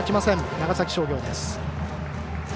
長崎商業です。